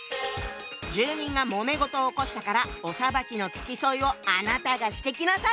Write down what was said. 住人がもめ事を起こしたからお裁きの付き添いをあなたがしてきなさい！